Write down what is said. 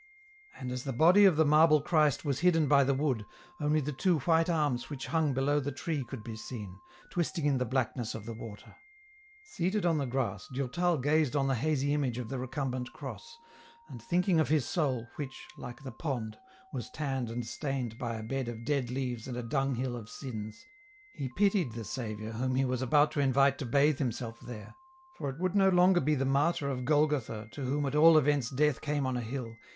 And as the body of the marble Christ was hidden by the wood, only the two white arms which hung below the tree could be seen, twisted in the blackness of the water. Seated on the grass, Durtal gazed on the hazy image oi the recumbent cross, and thinking of his soul, which, like the pond, was tanned and stained by a bed of dead leaves and a dunghill of sins, he pitied the Saviour whom he was about to invite to bathe Himself there, for it would no longer be the Martyr of Golgotha to whom at all events death came on a hill.